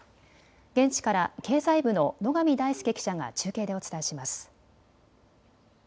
現地から経済部の野上大輔記者が中継でお伝えします。